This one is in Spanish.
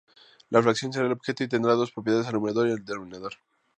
La fracción será el objeto y tendrá dos propiedades, el numerador y el denominador.